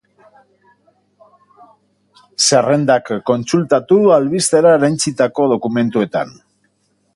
Zerrendak kontsultatu albistera erantsitako dokumentuetan.